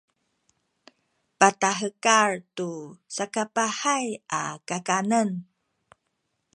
patahekal tu sakapahay a kakanen